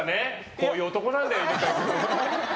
こういう男なんだよ。